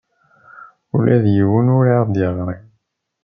Ula d yiwen ur aɣ-d-yeɣri.